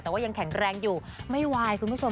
แต่ว่ายังแข็งแรงอยู่ไม่ไหวคุณผู้ชม